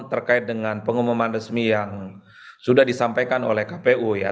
terkait dengan pengumuman resmi yang sudah disampaikan oleh kpu ya